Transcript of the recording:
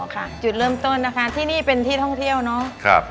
อ๋อค่ะจุดเริ่มต้นนะคะที่นี่เป็นที่ท่องเที่ยวเนอะครับ